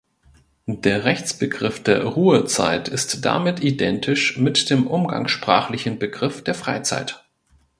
Der Rechtsbegriff der Ruhezeit ist damit identisch mit dem umgangssprachlichen Begriff der Freizeit.